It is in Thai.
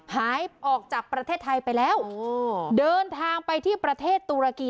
หายออกจากประเทศไทยไปแล้วเดินทางไปที่ประเทศตุรกี